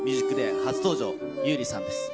初登場、優里さんです。